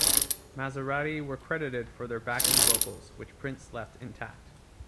Mazarati were credited for their backing vocals, which Prince left intact.